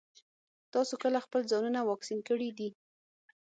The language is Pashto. تاسو کله خپل ځانونه واکسين کړي دي؟